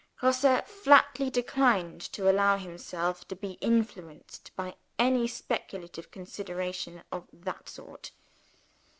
Grosse flatly declined to allow himself to be influenced by any speculative consideration of that sort.